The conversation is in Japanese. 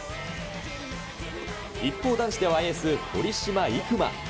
一方、男子ではエース、堀島行真。